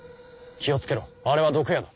気を付けろあれは毒矢だ。